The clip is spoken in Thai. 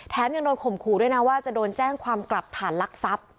ยังโดนข่มขู่ด้วยนะว่าจะโดนแจ้งความกลับฐานลักทรัพย์